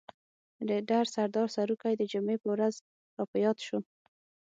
د ډر سردار سروکی د جمعې په ورځ را په ياد شو.